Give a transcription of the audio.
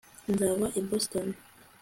nzava i boston